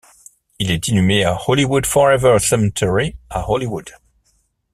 Il est inhumé au Hollywood Forever Cemetery à Hollywood.